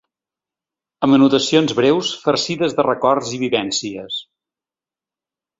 Amb anotacions breus farcides de records i vivències.